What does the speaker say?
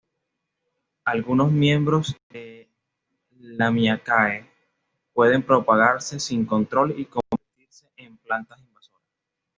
Algunos miembros de Lamiaceae pueden propagarse sin control y convertirse en plantas invasoras.